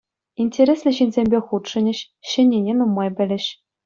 Интереслӗ ҫынсемпе хутшӑнӗҫ, ҫӗннине нумай пӗлӗҫ.